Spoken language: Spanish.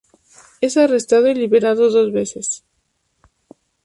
Es arrestado y liberado dos veces.